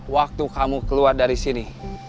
waktu kamu keluar dari sini